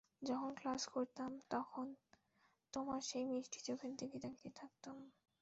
যখন ক্লাস করতাম তখন তোমার সেই মিষ্টি চোখের দিকে তাকিয়ে থাকতাম।